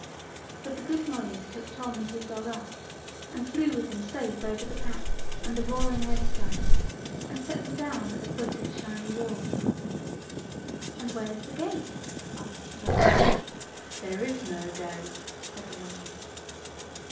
But the good mollys took Tom and his dog up, and flew with them safe over the pack and the roaring ice giants, and set them down at the foot of Shiny Wall. "And where is the gate?" asked Tom. "There is no gate," said the mollys.